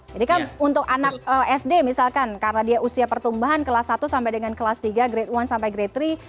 jadi kan untuk anak sd misalkan karena dia usia pertumbuhan kelas satu sampai dengan kelas tiga grade satu sampai grade tiga